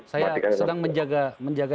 saya sedang menjaga